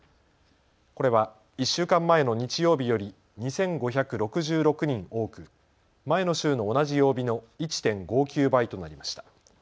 これは１週間前の日曜日より２５６６人多く前の週の同じ曜日の１．５９倍となりました。